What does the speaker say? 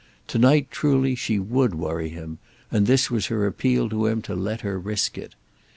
To night truly she would worry him, and this was her appeal to him to let her risk it.